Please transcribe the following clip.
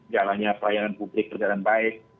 jalannya pelayanan publik berjalan baik